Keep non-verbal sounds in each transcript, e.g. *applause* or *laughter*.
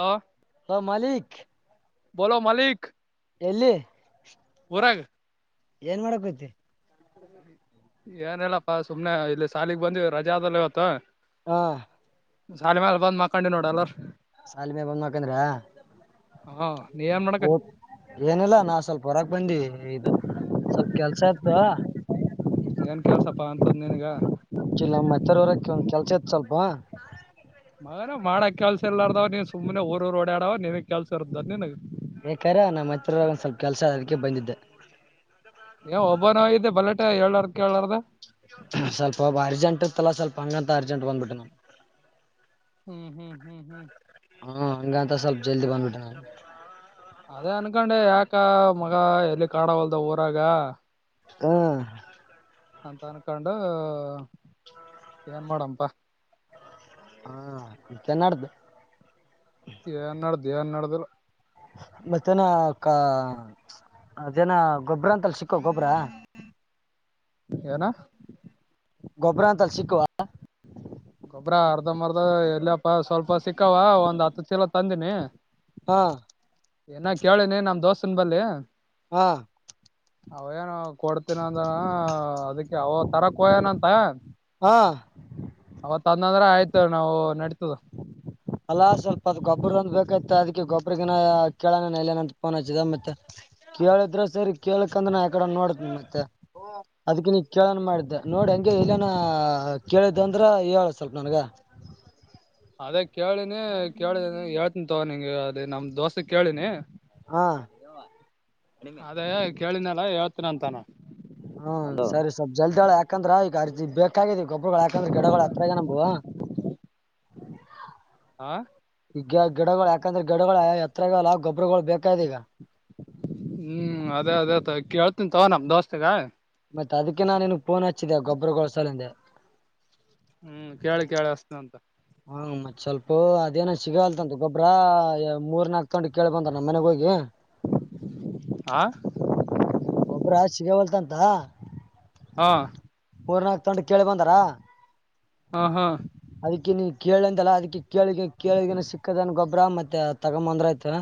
Hello ಹ ಮಲಿಕ್ ಬೋಲೋ ಮಲಿಕ್ ಎಲ್ಲಿ ಊರಾಗ ಏನ್ ಮಾಡಕ್ಯತಿ ಏನಲ್ಲಪ್ಪಾ ಸುಮ್ನೆ ಇಲ್ಲಿ ಶಾಲಗ್ ಬಂದ್ ರಜೆ ಆದಲ್ಲಿ ಇವತ್ತು ಹಾ ಸಾಲಿಮಾಲ ಬಂದ್ ಮಾಡ್ಕೊಂಡಿ ನೋಡ ಎಲ್ಲಾರ ಶಾಲಿಮ ಬಂದ ಮಕಂದ್ರ ಹ ನೀ ಏನ್ ಓ ಮಾಡಕತಿ ಏನಿಲ್ಲ ನಾ ಸ್ವಲ್ಪ ಹೊರಕ್ ಬಂದಿ ಇದು ಸ್ವಲ್ಪ ಕೆಲ್ಸ ಆ ಅದಾ ನನ್ ಕೆಲಸಪ್ಪ ಅಂತದ ನೇನು ಈಗ ಇಲ್ಲ ಮತ್ತರ್ವರಕ್ಕೆ ಒಂದ್ ಕೆಲ್ಸ ಇತ್ ಸ್ವಲ್ಪ ಅದ ಮಾಡಾಕ್ ಕೆಲ್ಸ ಇಲ್ಲಾರದವ್ ನೀವು ಸುಮ್ಮನೆ ಊೂಊ ಡವ್ ನಿನಗ್ ಕೆಲ್ಸ ಇದ್ ನಿನಗೆ ಯಾಕರ ನಮ್ಮ ಹತ್ರಾಗ ಒಂದ್ ಸ್ವಲ್ಪ ಕೆಲ್ಸ ಅಕ್ಕೆ ಬಂದಿದ್ದೆ ಒಬ್ಬನಿದ್ದೆ ಬಲಟೆ ಏಳ್ರ್ ಕೇಳಾರ್ದ ಅ ಅಂಗ ತಾರಚ ಬಂದ್ಬಿಟ್ಟ ಹ್ಮ್ ಹ್ಮ್ ಹ್ಮ್ ಹ್ಮ್ ಹಾ ಹಂಗ ಅಂತ ಸ್ವಲ್ಪ ಜಲ್ದಿ ಬಂದುಬಿಟ ಅದೇ ಅನ್ಕೊಂಡೆ ಯಾಕ ಮಗ ಎಲ್ಲಿ ಕಾಡವಲ್ದ ಊರಾಗ ಹ್ಮ ಅಂತ ಅನ್ಕೊಂಡ ಏನ್ ಮಾಡಂಪ ಹಾ ಇತ್ತನ್ನಡ್ದು ಏನ್ ನಡ್ದು ಏನ್ ನಡ್ದಿಲ್ಲ ಮತ್ತನಾಕ್ಕ ಅ ಜನ ಗೊಬ್ಬ್ರ ಅಂತಲ್ಲ ಸಿಕ್ಕೋ ಗೊಬ್ಬ್ರ ಏನ ಗೊಬ್ಬರ ಅಂತಲ್ಲಿ ಸಿಕ್ಕುವ ಗೊಬ್ಬ್ರ ಅರ್ಧ ಮರ್ದ ಎಲ್ಲಿಯಪ್ಪ ಸ್ವಲ್ಪ ಸಿಕ್ಕವ ಒಂದ್ ಹತ್ತು ಚೀಲೋ ತಂದಿನಿ ಹಾ ಏನ ಕೇಳೇನಿ ನಮ್ ದೋಸ್ತನ್ ಬಲ್ಲಿಿ ಹಾ ಹೌನು ಕೊಡ್ತೀನ ಅಂದ ಅದಕ್ಕೆ ಅವ ತರಕ್ ಹಯನಂತ ಹಾ ತಂದಂದ್ರ ಆಯ್ತ ನಾವು ನಡತದ ಎಲ್ಲಾ ಸ್ವಲ್ಪ ಅದು ಗೊಬ್ಬರ ಒಂದು ಬೇಕತ್ತ ಅದಕ್ಕೆ ಗೊಬ್ರಗಿನ ಕೇಳಣನಂತ ಫೋನ್ ಹಚ್ಚಿದ ಮತ್ತೆ ಕೇಳಿದ್ರೆ ಸರಿ ಕೇಳಕ್ಂದ್ರೆ ನ ಯಕಡೆ ನೋಡತನ ಮತ್ತೆ ಅದ್ ನೀ ಕೇಳೋಣ ಮಾಡಿದ್ದೆ ನೋಡಿ ಹಂಗೆ ಇಲ್ಲ ಕೇಳಿದ್ದ ಅಂದ್ರ ಹೇಳಳ್ ಸ್ವಲ್ಪ ನನ್ಗ ಅದೇ ಕೇಳಿನಿ ಕೇಳಿ ಹೇಳ್ತೀನಿ ತಗ ನಿಂಗೆ ಅದ ನಮ ದೋಸೆ ಕೇಳಿನಿ ಹಾ ಅದೇ ಕೇಳಿದನಲ್ಲ ಹೇಳ್ತೀನ ಅಂತಾನ ಹ್ಮ ಸರಿ ಸ್ವಲ್ಪ ಜಲ್ದಿಯೊಳ ಯಾಕಂದ್ರೆ ಈ ಅರ್ ಬೇಕಾಗಿದ ಗೊಬ್ಬ್ರಗಳು ಯಾಕಂದ್ರೆ ಗಿಡಗಳ ಹತ್ರ ನಂಬು ಆ ಈಗ ಗಿಡಗಳು ಯಾಕಂದ್ರೆ ಗಿಡಗಳು ಎತ್ರರಲ್ಲ ಗೊಬ್ಬರಗಳು ಬೇಕ ಹ್ಮ್ ಅದೇ ಅದೇ ಕೇಳ್ತನ್ ತವ ನಮ ದೋಸ್ತಿಗ ಮತ್ತೆ ಅದಕ್ಕೆ ನಾನೇನು ಫೋನ್ ಹಚ್ಚಿದೆೆ ಗೊಬ್ಬರಗೊಳಸಾಲಂದೆ ಹ್ಮ್ ಕೇಳಿ ಕೇಳಿ ಹಸ್ತನ ಅಂತ ಹಾ ಮತ್ತೆ ಸ್ವಲ್ಪ ಅದೇನ ಸಿಗಲ್ತಂತ ಗೊಬ್ಬರ ಮೂರ್ ನಾಲ್ಕು ತಗೊಂಡಿ ಕೇಳಳ್ ಬಂದ ನಮ್ಮ ಮನೆಗ ಹೋಗಿ ಆ ಗೊಬ್ಬ್ರ ಸಿಗ ಹೊಲ್ತಂತ ಹಾ ಮೂರ್ ನಾಲ್ಕು ತೊಂಡ ಕೇಳಿ ಬಂದಾರ ಹ್ಮ ಹಾ ನೀ ಕೇಳಂತಲ್ಲ ಅದಕ್ಕೆ ಕೇಳ ಕೇಳ ಸಿಕ್ಕದ ಗಬ್ಬ ಗೊಬ್ರ ಮತ್ತ ತಗೊಂಬಂದ್ರ ಆಯತ್ ಯಾ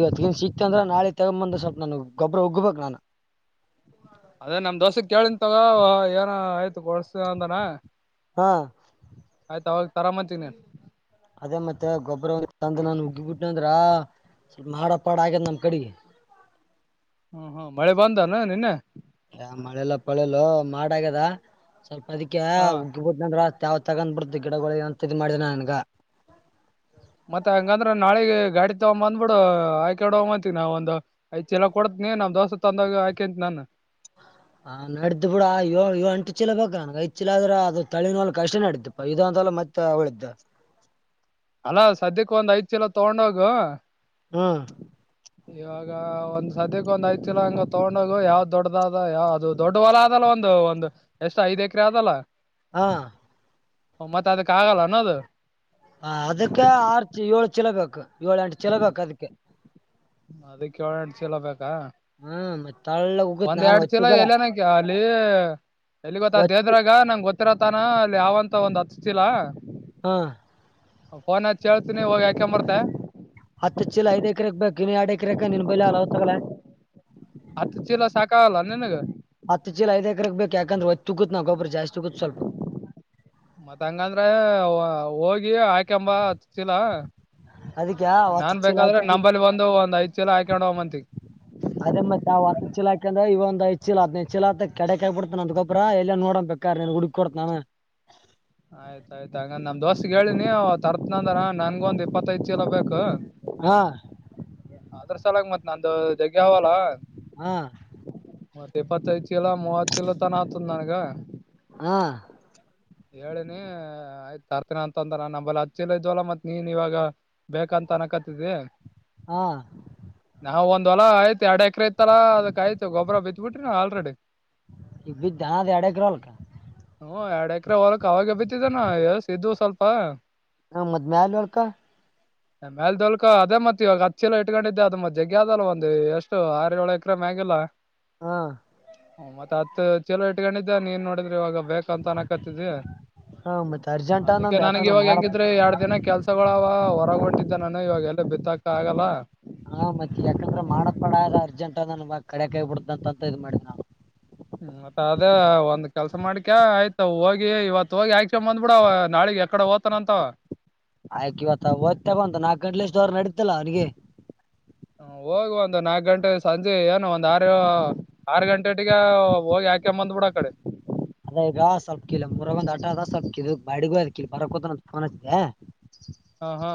ಇವತ್ತಗ ಸಿಕ್ತ ಅಂದ್ರ ನಾಳ ತಗೊಂಬಂದ್ರ ಸ್ಲ್ಪ ನು ಗೊಬರ ಉಗ್ಬೇಕು ನಾನು ಅದೇ ನಮ್ ದೋಸೆಕ್ ಕೇಳನ್ ತಗ ಏನ ಆಯ್ತು ಕೊಡ್ಸ ಅಂದಾನ ಹಾ ತ ತರ ಮತೀನೇ ಅದೇ ಮತ್ತೆ ಗೊಬ್ಬರ ತಂದ ನಾನು ಉಗ್ಗಿಬಿಟ್ಟನ ಅಂದ್ರ ಸ್ವಲ್ಪ ಮಾಡ ಪಾಡ ಆಗ್ಯತ್ ನಮ್ ಕಡೆಗೆ *inaudible* ಹ್ಮ ಹ್ಮ ಮಳೆ ಬಂದಾನ ನಿನ್ನೆ ಯ ಮಳೆಲ್ಲ ಪಳೆಲು ಮಾಡ ಆಗ್ಯದ ಸ್ವಲ್ಪ ಅದಕ್ಕೆ ಹ ಉಗ್ಗಬಹದ್ ನಂದ್ರ ಯಾವ್ ತಗೊಂಡ್ ಬಿಡ್ತು ಗಿಡಗಳು ಅಂತ ಇದ್ ಮಾಡಿದಿನ ನನ್ಗ ಮತ್ತತ್ ಹಂಗಂದ್ರ ನಾಳೆ ಗಾಡಿ ತಗೊ ಬಂದ್ಬಿಡು ಆಯ್ಕಾಡ ಹೋಗಂತವಿ ನಾವ ಒ ಐ ಚಲ ಕೊಡ ನೀ ನ್ ದೋಸ್ತ ತಂದಾಗ ಆಯಕೆಂತ ನಾನನ್ ಹ ಹ ನಡ್ದು ಬಿಡ ಇವ ಇವ ಅಂಟು ಚೀಲ ಬ ನನ್ಗೆ ಐ್ ಚಿ ಆದ್ರೆ ಅದು ತಳಿನೋಲ್ ಕಷ್ಟೇ ನಡ್ದಪ್ಪ ಇ ಲ ಮತ್ತೆ ಅವಳಿದ್ದ ಅಲ್ಲಾ ಸದ್ಯಕ್ಕೆ ಒಂದ್ ಐದ ಕಿಲೋ ತಗೊಂಡೋಗ ಹ್ಮ್ ಈ ಒಂದ್ ಸದ್ಯಕ್ಕೆ ಒಂದ್ ಐ ಚಿಲ ಹಂಗ ತಗೊಂಡೋಗ ಯಾವ್ದ್ ದೊಡ್ಡದಾದ ಯಾವ ಅದು ದೊಡ್ಡ ಹೊಲ ಅದ ಒಂದು ಒಂದು ಎಷ್ಟು ಐದ್ ಎಕರೆ ಆದಲ್ಲ ಹಾ ಮತ್ತೆ ಅದಕ್ ಆಗಲ್ಲ ಅನ್ನೋದು ಹ ಅದಕ್ಕೆ ಆರ್ಚ್ ಏಳು ಚಛಲ ಬೇಕು ಏಳ ಎಂಟು ಚಛಲ ಬೇಕು ಅದಕ್ಕೆ ಅದಕ್ಕೆಳಡ್ ಚಲ ಬು ಹ್ಮ್ ಮತ್ ತಳ್ಳಗ್ ಉಗುತ್ ಒಂದ್ ನಾನು ಎರಡ್ ತಿಲ ಒಚ್ಚುಗಲ್ಲ ಎಲ್ಲನಕ ಅಲ್ಲಿ ಎಲ್ಲಿ ಗೊತ್ತ ಅ ಒಚ್ಚು ದೇದ್ರಾಗ ನಂಗ್ ಗೊತ್ತಿರತಾನ ಅಲ್ಲಿ ಯಾವಂತ ಒಂದ್ ಹತ್ತಿಲ್ಲ ಹಾ ಫೋನ್ ಹತ್ತ ಕೇಳ್ತೀನಿ ಹೋಗಿ ಯಾಕಂಬರ್ತ ಹತ್ತು ಚೀಲ ಐ ಎಕರೆಕ್ ಬೇಕುನ್ ಎರಡ್ ಎಕರೆಕ ನೀನ್ ಬೈಲ ಅಲ್ಲ ಅವತಗಲ ಹತ್ತು ಚೀಲ ಸಾಕಾಗಲ್ಲ ನನ್ಗ ಹತ್ತು ಚೀ ಐ ಎಕರಕ್ ಬೇಕು ಯಕಂದ್ರೆ ತುಕ ನಾ ಗೊಬರ ಜ ಆಸ್ತುಕ ಚಲ್ಪ ಆಯಕೆಂಬ ಹತಿಲ ಅದಕ್ಕೆ ಹತ್ತು ನಾನ್ ಚೀಲ ಬೇಕಾದ್ರೆ ಹಾಕೊಂಡಿ ನಂಬಲ್ಲಿ ಒಂದು ಒಂದ್ ಐದ್ ಸಲ ಹಾಕೊಂಡ ಹೋಗ್ಂತ ಹೆಚ್ಚಲಾಕಂದ್ರ ಇವ ಒಂದು ಹೆಚ್ಚಿಲಾತ್ ಹೆಚ್ಚಿಲಾ ಕಡೆಕ್ ಆಕ್ಬ ಬಿಡ್ತನ ಅ್ಕಪ್ರ ಎಲ್ಲ ನೋಡ ಬಬೇಕ ನೀನ್ ಹುಡುಕ ಕೊತ ನಾನು ಹ ಆಯ್ತ ಆಯ್ತು ಹಾಗಂಗಂದ್ ನಮ್ ದೋಸಗ್ ಹೇಳಿನಿ ಅವ ತರ್ತ್ನಂದಾರ ನನ್ಗ ಒಂದ್ ಇಪ್ಪತ್ತೈದ್ ಕೀಲ ಬೇಕು ಹಾ ಅದ್ರ ಸಲಾಗ ಮತ್ ನಂದು ಗ್ಗೆ ಅವವಲ್ಲ ಹಾ ಮತ್ತ ಇಪ್ಪತ್ತೈದು ಕಿಲ ಮೂವತ್ತು ಕಿಲ ತನ ಆತದ ನನ್ಗ ಹಾ ಹೇಳನಿ ಆಯ್ತ್ ತರ್ತೀನ ಅಂತ ಅಂದ್ರ ನ ನಂಬಲ್ಲಿ ಹಚ್ಚಿಲ ಇದವಲ್ಲ ಮತ್ ನೀನ್ ಇವಾಗ ಬೇಕ ತನಕತಿದೆ ಹಾ ನಾವವು ಒಂದ್ಲ ಆಯ್ತು ಎರಡು ಎಕರೆ ಇತ್ತಲ್ಲಾ ಅದಕ್ ಆಯ್ತು ಗೊಬ್ಬರ ಬಿತ್ ಬಿಟ್ರಿ ನಾ ಆಲ್ರೆಡಿ ಅ ದದ ಎಡ ಗ್ರಲ್ಕ್ಕ ಹ ಎರಡು ಎಕರೆ ಹೊೋಲಕ್ ಅವಾಗ ಬತ್ತಿದಾನ ಎ ಇದವು ಸ್ವಲ್ಪ ಹಾ ಮದ್ ಆಲ್ ಅವಳ್ಕ ಮೇಲ್ಲ ದೊಲ್ಕ ಅದೇ ಮತ್ವಾಗ ಹತ್ ಕಿ ಇಟ್ಕೊಂಡಿದ್ದೆ ಅದು ಮತ್ ಜಗ್ಗಿ ಅದಲ್ಲ ಒಂದು ಎಷ್ಟು ಆರು ಏಳು ಎಕ್ರ ಮ್ಯಂಗಿಲ್ಲಲ್ಲ ಹಾ ಹ ಮತ್ತತ್ ಹತ್ ಚಲೋ ಎಟ್ಗಂಡ ಇದಿದ್ದ ನೀ ನೀಏನ್ ನೋಡಿದ್ರೆ ಇವಾಗ ಬೇಕಂತ ಅನಕತ್ತಿದಿ ಹಾ ಮತ್ ಅರ್ಜೆಂಟ್ ಅದಕ್ಕೆ ಅನ್ನಂದ್ ನನ್ಗ್ ಯಾಕಂದ್ರ ಇವಾಗ ಮಾಡಪ್ ಹೆಂಗಿದ್ರೆ ಎರಡ್ ದಿನ ಕೆಲ್ಸಗಳ ಅವ ಹೊರಗಂಟಿದ್ದೆ ನಾನು ಇವಾಗೆಲ್ಲ ಬಿತ್ತಾಕ ಆಗಲ್ಲ ಹಾ ಮತ್ತೆ ಯಾಕಂದ್ರ ಮಾಡಕ್ಪಡ ಅರ್ಜೆಂಟ್ ಅನ್ ಮ ಕಡೆ ಕಾಯ ಬಿಡ್ದ ಅಂತಂತ ಇದ್ ಮಾಡಿದ ನಾವು ಹ್ಮ್ ಮತ್ತ ಅದೇ ಒಂದ್ ಕೆಲಸ ಮಾಡ್ಕೆ ಆಯ್ತ ಹೋಗಿ ಇವತ್ತು ಹೋಗಿ ಆಕ್ಕೊಂಡ್ ಬಂದ್ಬ ಬಿಡ ಅವ ನಾಳಿಗೆ ಇಕಡೆ ಹೋತನಂತ ಆಯ್ಕ್ ಇವತ್ತ ಓದ್ತ ಬಂತ ನಾಕು ಗಂಟ್ಲೆ ಇಷ್ಟ ಅವರ ನಡತಲ್ಲ ಅವನಿಗೆ ಹೋಗಿ ಒಂದು ನಾಕು ಗಂಟೆ ಸಂಜೆ ಏನು ಒಂದ ಆರು ಆರು ಗಂಟೆಅನೋಟಗೆ ಹೋಗಿ ಆಕೊಂಡ ಬಂದ್ಬಿಟ್ ಕಡೆ ಅದ ಈಗ ಸ್ವಲ್ಪ ಕಿಲ್ಲ ಮುರ ಒಂದ್ ಆಟ ಅದ ಸ್ವಲ್ಪ್ ಕಲ್ ಬಾಡಿಗೂ ಅದ ಕಿಲ್ಲ ಬರ ಕೂತ ಪೋನ್ ಹಚ್ ತಿಯಾ ಹ ಹಾ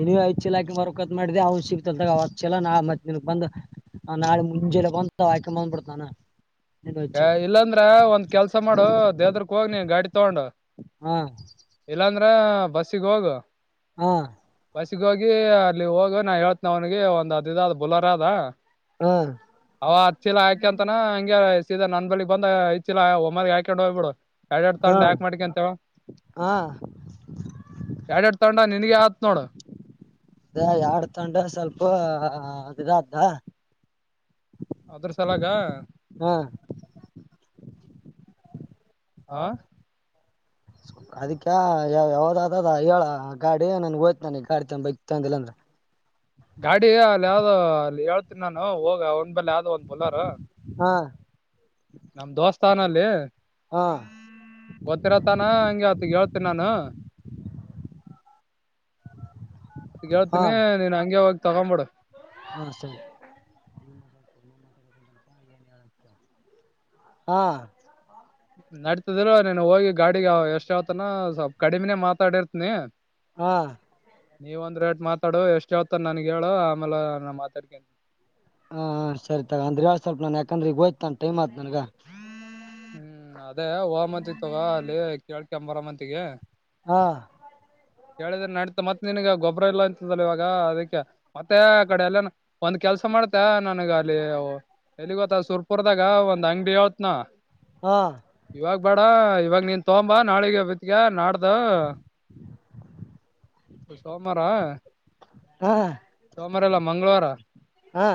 ಎಲ್ಲಿ ಆಯಚೆಲ್ಲ ಮರ ಕತ್ ಮಾಡಿದೆ ಅವ್ ಸಿಗ್ತಲ್ದಾಗ ಅವ ಚಲ ನಾ ಮತ್ತಿನಗ್ ಬಂದ ಹ ನಾಳೆ ಮುಂಜೆಲ್ಲ ಬಂತ ಆಯ್ಕೊಂಡ್ ಬಂದ್ ಬಿಡ್ತ ನಾನ ಅ ಇಲ್ಲಾಂದ್ರ ಒಂದ್ ಕೆಲ್ಸ ಮಾಡು ದೇವ ದುರ್ಗಕ್ಕೆ ಹೋಗ ನೀ ಗಾಡಿ ತಗೊಂಡ ಹಾ ಇಲ್ಲಾಂದ್ರ ಬಸ್ಸಿಗೆ ಹೋಗ ಹಾ ಬಸ್ಸಿಗೆ ಹೋಗ ಅಲ್ಲಿ ಹೋಗ ನಾ ಹೇಳ್ತನ ಅವನಿಗೆ ಒಂದ್ ಅದ ಇದ ಅ ಬುಲೆರ್ ಅದ ಹಾ ಅವ ಹತ್ತಲ ಆಕೆಂತಾನ ಹಂಗೆ ಇ ನನ್ ಬಳಿ ಬಂದ ಇಲ್ಲಾ ಒಮ್ಮೆಲ್ ಹಾಕೊಂಡ್ ಹೋಗ್ಬಿಡು ಎಡಡ್ ಹಾ ತಗೊಂಡ ಯಾಕ ಮಾಡ್ಕಂತವ ಹಾ ಎಡಡ್ ತಗೊಂಡ ನೀ ನಿಗೆ ಆತ್ ನೋಡ ಅ ಎಡ್ ತಂಡ ಸ್ವಲ್ಪ ಇದು ಆತ್ದ ಅದ್ರ ಸಲಾಗ ಹಾ ಹ ಅದಕ್ಕೆ ಯಾವ ಯಾವ್ದ್ ಹೇಳ ಗಾಡಿ ನನ್ ಹೋಯ್ತು ನಾನ ಈಗ ಗಾಡಿ ತ ಬೈಕ್ ತಗಂದಿಲ್ಲ ಅಂದ್ರ ಹ ಗಾಡಿ ಅಲ್ಲಿ ಯಾವ್ದೋ ಅಲ್ಲಿ ಹೇಳ್ತೀನಿ ನಾನು ಹೋಗ ಅವ ನಿನ್ ಬಲ್ಲಿ ಯ ಅದ್ ಬುಲೇರೋ ಹಾ ನಮ ದೋಸ್ತಾನಲ್ಲಿ. ಹಾ ಗೊತ್ತಿರತಾನ ಹಂಗೆ ಆತ್ ಹೇಳ್ತನಿ ನಾನು ಮತ್ತ ಹೇಳ್ತೀನಿ ನೀನ್ ಹಂಗೆ ಹೋಗಿ ತಗೊಬಿಡು ಹ್ಮ ಸರಿ ಹ್ಮ್ ನಡ್ತದ್ರ ನೀನ್ ಹೋಗಿ ಗಾಡಿಗೆ ಎಷ್ಟ ಹೇಳತಾನು ಸ್ವಲ್ಪ್ ಕಡಿಮಿನೇ ಮಾತಾಡಿರ್ತನಿ ಹಾ ನೀವ ಒಂದ್ ರೇಟ್ ಮಾತಾಡು ಎಷ್ಟ ಹೇಳತ್ತಾನ ನನಗ ಹೇಳು ಆಮೇಲೆ ನಾ ಮಾತಾಡ್ತೀನಿ ಹಾ ಸರಿ ತಗೋ ಅಂದ್ರೆ ಯಾ ಸ್ವಲ್ಪ ನಾನ್ ಯಾಕಂದ್ರೆ ಈಗೋಯ್ತ ನಾನ ಟೈಮ್ಯತ್ ನನ್ಗ ಹ್ಮ್ ಅದೇ ಹ ಮಂತಿ ತಗೋ ಅಲ್ಲಿ ಕೇಳ್ಕಅಂಬರ ಮಂತಿಗೆ ಹಾ ಕೇಳಿದ್ರ ನಡತ ಮತ್ ನಿನ್ಗ ಗೊಬ್ಬರ ಇಲ್ಲ ಅಂತದಲ್ಲ ಇವಾಗ ಅದಕ್ಕೆ ಮತ್ತೆ ಆ ಕಡೆ ಎಲ್ಲಾನು ಒಂದ್ ಕೆಲ್ಸ ಮಾಡ್ತ ನನಗ ಅಲ್ಲಿ ಎಲ್ಲಿ ಗೊತ್ತ ಸುರ್ಪುರ್ದಾಗ ಒಂದ್ ಅಂಗಡಿ ಹೇತನ್ ಹಾ ಇವಾಗ ಬ್ಯಾಡ ಇವಾಗ ನೀನ್ ತಗೋಂಬಾ ನಾಳಿಗೆ ಬತ್ಗ ನಾಡ್ದ ಸೋಮಾರಾ ಹಾ ಸೋಮಾರ ಎಲ್ಲ ಮಂಗಳವಾರ ಹಾ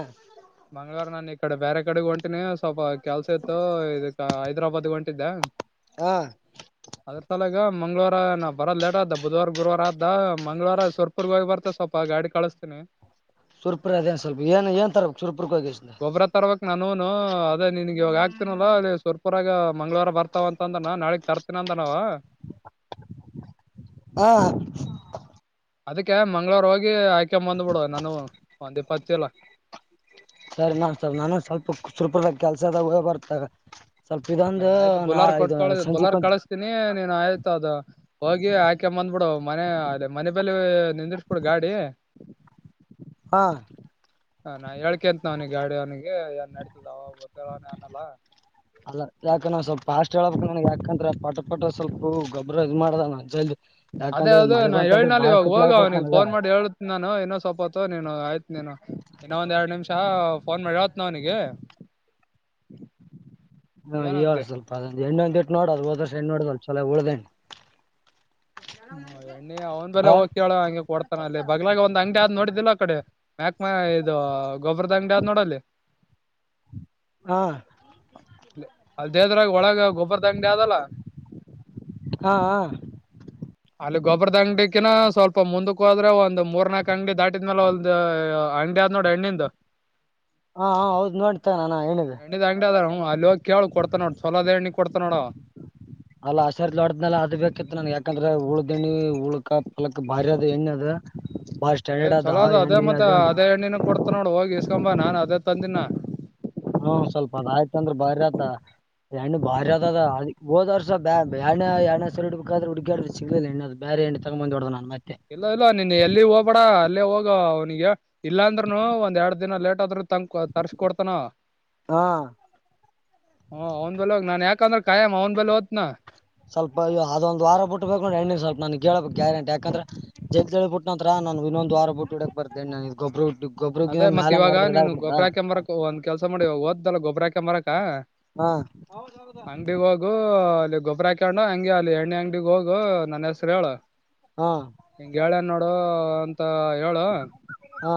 ಮಂಗಳವಾರ ನಾನ ಈ ಕಡೆ ಬೇರೆ ಕಡೆ ಹೊಂಟಿನಿ ಸ್ವಲ್ಪ ಕೆಲ್ಸ ಇತ್ತು ಇದ ಹೈದ್ರಾಬಾದ್ ಹೊಂಟಿದ್ದೆ ಹಾ ಅದ್ರ ತಲಾ ಈಗ ಮಂಗಳವಾರ ನಾನ ಬರೋ ಲೇಟ್ ಆದ ಬುಧವಾರ ಗುರುವಾರ ಆದ ಮಂಗಳವಾರ ಸುರ್ಪುರ್ಗ ಹಿ ಬರ್ತ ಸ್ವಲ್ಪ ಗಾಡಿ ಕಳಸ ತ ಶುರ್ಪುರ ಅದೇನ್ ಸ್ವಲ್ಪ ಏನ್ ಏನ್ ತರ ಶುರಪುರ ಹೋಗೇಶಿಂದ ಗೊಬ್ಬ್ರ ತರ್ಬೇಕ್ ನಾನೂನು ಅದೇ ನಿನ್ಗೆ ಇವಾಗ ಆಗ್ತೀನಲ್ಲ ಅಲ್ಲಿ ಸುರ್ಪುರಾಗ ಮಂಗಳವಾರ ಬರ್ತಾವ ಅಂತಂದ್ರ ನಾ ನಾಳೆ ಹಾ ಅದಕ್ಕೆ ಮಂಗ್ಳವಾರ ಹೋಗಿ ಆಯ್ಕೊ ಬಂದ್ಬಿಡುವ ನಾನು ಒಂದ್ ಇಪ್ಪತ್ತಚಿಲ್ ಸರಿ ನಾನ್ ಸ್ ನಾನ ಸ್ವಲ್ಪ ಸುರಪುರದಾಗ ಕೆಲ್ಸದ ಬರ್ತಾ ನಾನ್ ಆಯ್ತು ಬುಲಾರ್ ಕೊಟ್ ಕಳಸ ಸಂಜೆಕ್ ಬುಲೇರ್ ಒಂದ್ ಕಳಸ್ತೀನಿ ನೀನ್ ಆಯ್ತು ಅದ ಹೋಗಿ ಹಾಕ ಬಂದ್ಬಿಡು ಮನೆ ಅದೇ ಮನೆ ಬಲಿ ನಿಂದಿರಸ ಬೀಡು ಗಾಡಿ ಹಾ ಹ ನಾ ಹೇಳ್ಕೆ ಅಂತ ನ ಅವನಿಗೆ ಗಾಡಿ ಅವನಿಗೆ ನ್ ನಡ್ತದಾವ ಗತ್ತರ ಅನಲ್ಲ ಯಾಕಂದ್ರೆ ಪಟ ಪಟ ಸ್ವಲ್ಪ ಗೊಬ್ಬರ ಇ್ ಮಾಡದಾನ ಜಲ್ದ ಅದೇ ಅೌದು ನಾ ಹೇಳನ ಇವಾಗ ಹೋಗ ಆಗ್ಬಿಡತ್ ಅವ್ನಿಗೆ ನನಗ ಫೋನ್ ಮಾಡಿ ಹೇಳತ್ ನಾನು ಇನ್ನೊ ಸೊಪತ್ತು ನೀನು ಆಯ್ತು ನೀನು ಇನ್ನ ಒಂದ್ ಎರಡು ನಿಮಿಷ ಫೋನ್ ಮಾಡಿ ಅವತ್ ನ ಅವನಿಗೆ ಹಾ ಇವ ಏನಂತೆ ಸ್ವಲ್ಪ ಅದ ಹೆಣ್ಣೊಂದ್ ಇಟ್ಟು ನೋಡದು ಹದ ವರ್ಷ ಹೆಣ್ಣ್ ನೋಡುದಲ್ ಚಛಲೋ ಉಳ್ದೇಣ್ಣ ಹ ಎಣ್ಣ ಅವ್ ಬೆಲೆ ಹೋಗ್ೇಳ ಹಂಗೆ ಕೊಡ್ತಾನ ಅಲ್ಲಿ ಬಗ್ಲಾಗ ಒಂದ್ ಅಂಗಡಿ ಆದ್ ನೋಡಿದ್ದಿಲ್ಲ ಆ ಕಡೆ ಮ್ಯಾಕ್ಮ ಇದು ಗೊಬ್ಬರದ ಅಂಗಡಿ ಆದ್ ನೋಡಲ್ಲಿ ಹಾ ಹಾ ಅಲ್ ದೇದ್ರಾಗ ಒಳಗ ಗೊಬ್ಬರದಂಗಡಿ ಆದಲ್ಲ ಹಾ ಅಲ್ಲಿ ಗೊಬ್ಬರದ ಅಂಗಡಿಿಕಿಿನ ಸ್ವಲ್ಪ ಮುಂದಕ್ಕೆ ಹೋದ್ರೆ ಒಂದ್ ಮೂರ್ ನಾಲ್ಕ್ ಅಂಗಡಿ ದಾಟಿದ್ಮೇಲೆ ಒಂದು ಅಂಡಡಿ ಆದ ನೋಡಿ ಹಣ್ಣಿಂದ ಹಾ ಹೌದ್ ನೋಡ್ತ ನಾನ ಹೇಳಿದೆ ಕೇಳು ಕೊಡ್ತ ನೋಡು ಚಛಲೋದ ಎಣ್ಣಿ ಕೊಡ್ತ ನೋಡ ಅಲ್ಲ ಹಸರ್ಾಡ್ದ್ನಲ್ಲ ಅದ ಬೇಕಿತ್ತು ನನ್ಗೆ ಯಾಕಂದ್ರೆ ಉಳ್ದಣ್ಣಿ ಉಳ್ಕ *unintelligible* ಅಲಕ್ ಬಾರಿ ಅದ ಎಣ್ಣೆ ಅದ ಬಾರಿ ಏ ಸ್ಟ್ಯಾಂಡರ್ಡ್ ಅದ ಚಲೋ ಎಣ್ಣೆ ಮತ್ತ ಅದೇ *unintelligible* ಎಣ್ಣಿನ ಕೊಡ್ತ ನೋಡ್ ಹೋಗಿ ಇಸ್ಕೊಂಬಾ ನಾನ್ ಅದೇ ತಂದಿನ *unintelligible* ಹ್ಮ ಸ್ವಲ್ಪ ಅದ ಆಯ್ತ ಅಂದ್ರೆ ಬಾರಿ ಆತ *unintelligible* ಹೆಣ್ಣು ಬಾರಿ ಅದ ಅ ಹೋದ್ರುಸ ಬ ಬಣ್ಣ ಎಣ್ಣ ಸರ್ ಹಡ್ಬೇಕಾದ್ರೆ ಹುಡುಗಾಡ ಸಿಗ್ಲಿಲ್ಲ ಹೆಣ್ಣ್ ಬ *unintelligible* ಎಂಟು ತರ ಮಂದಿ *unintelligible* ಇಲ್ಲ ಇಲ್ಲ ನೀನ್ ಎಲ್ಲಿ ಹೋಗ್ಬೇಡ - ಅಲ್ಲೇ ಹೋಗ ಅವನಿಗೆ ಇಲ್ಲಾ ಅಂದ್ನು ಒಂದ್ ಎರಡ್ ದಿನ ಲೇಟ್ ಆದ್ರ ತ ತರ್ಶ ಕೊಡ್ತಾನೊ ಹಾ ಹ ಅವ್ನ್ ಬಲ್ ಹೋಗ್ ನಾನ್ ಯಾಕಂದ್ರೆ ಕಾಯಾಮ ಅವ್ ಬಲೆ ಹದ್ನಾ ಸ್ವಲ್ಪ ಅದೊಂದ್ ವಾರ ಬಿಟ್ಬೇಕು್ರ ಹೆಣ್ಣ ಸ್ವಲ್ಪ ನನ್ಗೆೇಳಬೇಕಕ್ ಗ್ಯಾರಂಟಿ ಯಾಕಂದ್ರೆ ಜೈಲ್ಳಿ ಬಿುಟ್ಟ ನ ಹತ್ರ ನಾನು ಇನ್ನಂದು ವಾರ ಬಿುಡಕ್ ಬರ್ನೆ ನಾನು ಗೊಬರುಟ್ಟ ಅದೇ ಮತ್ ಇವಾಗ ನೀನು ಗೊಬ್ರಾ ಹಾಕಂಬರಕ ಒಂದ ಕೆಲ್ಸ ಮಾಡಿ ಓದ್ದಲ್ಲ ಗೊಬರಾಕಂಬರಕ ಹಾ *unintelligible* ಅಂಗಡಿ ಹೋಗು ಗೊಬ್ಬರ ಹಾಕೊಂಡು ಹಂಗಗೆ ಅಲ್ಲಿ ಎಣ್ಣೆ ಅಂಗಡಿಗ್ ಹೋಗು ನನ್ನ ಹೆಸರು ಹೇಳು ಹಾ ಹಿಂಗಗೆ ಹೇಳ ನೋಡ ನಡು ಅಂತ ಹೇಳ ಹ್ಮ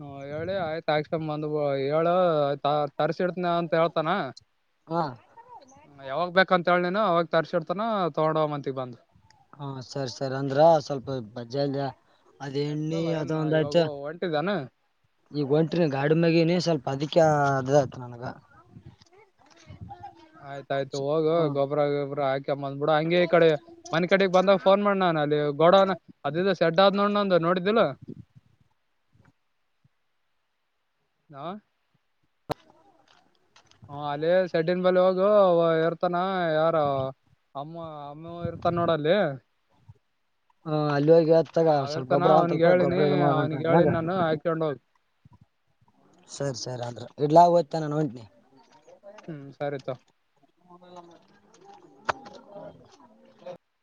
ಹ ಹೇಳಿ ಆಯ್ತ ಆಯ್ಕಮ್ ಬಂದ ಹೇಳು ತರ್ಸಿಡ್ತನ ಅಂತ ಹೇಳ್ತಾನ ಹಾ *unintelligible* ಹ ಯಾವಾಗ ಬೇಕಂತ ಹೇಳ ನಿನ ಅವಾಗ ತರ್ಸಿಡ್ತಾನ ತಗೊಂಡ ಹಮ್ಮಂತಗ್ ಬಂದು ಹಾ ಸರಿ ಸರಿ ಅಂದ್ರ ಸ್ವಲ್ಪ ಬಜಜಾ ಅದ್ ಎಣ್ಣಿ ನಡತಲ್ಲ ಏನ್ ಅದೊಂದ್ ಆಯ್ತ ಇವಾಗ ಹೊಂಟಿದಾನ ಈಗ ಒಂಟರಿ ಗಾಡಿ ಮಗಿನ ಸ್ವಲ್ಪ ಬದಿಕ್ಕ ಅ ಇತ ನನಗ ಆಯ್ತಾಯ್ತು ಹೋಗ ಹ್ಮ್ ಗೊಬ್ರ ಗಿಬ್ರಾ ಹಾಕಿ ಮ್ಮಂದ್ ಬಿೂಡ ಹಂಂಗ ಈ ಕಡೆ ಮನೆ ಕಡೆಗ್ ಬಂದಾಗ ಫೋನ್ ಮಾಡ ನಾನನ್ ಅಲ್ಲಿ ಗೋಡ ಅದ ಸೆಡ್ ಆದ್ ನೋಡ ನ ನೋಡಿದ್ದಲ್ಲ *inaudible* ಹಾ *inaudible* ಹ ಅಲ್ಲೇ ಸೆಡ್ಡನ್ ಬಳಿ ಹೋಗು ಇರ್ತಾನ ಯಾರ ಅಮ್ಮ ಅಮ್ಮ ಇರ್ತಾ ನೋಡಲ್ಲಿ ಹ ಅಲ್ಲಿ ಹೋಗಿ ಹೇಳ್ತಗ *unintelligible* ಸ್ವಲ್ಪ ಅವಿರ್ತಾನ ಗೊಬ್ಬ್ರ ಒಂದ್ ಅವ್ನಿಗೆ ಸ್ವಲ್ಪ ಹೇಳಿನಿ ಗೊಬ್ಬ್ರ ಇದು ಮಾಡಂತ ಅವ್ನಿಗೆ ನಂಗ ಹೇಳನಿ ನಾನು ಹಾಕೊಂಡ್ ಹೋಗ್ *unintelligible* ಸರಿ ಸರಿ ಆದ್ರೆ ಇಡ್ಲಾ ಗತ್ತಾ ನಾನು ಒಂಟನಿ ಹ್ಮ್ ಸರಿ ತೊ *inaudible*